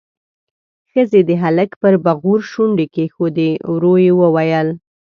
ښځې د هلک پر بغور شونډې کېښودې، ورو يې وويل: